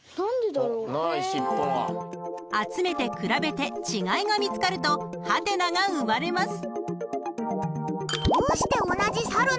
［集めて比べて違いが見つかるとハテナが生まれます］